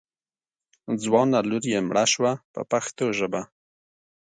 ځوانه لور یې مړه شوه په پښتو ژبه.